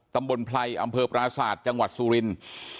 ตำบลไพรอำเภอปราศาสตร์จังหวัดสุรินทร์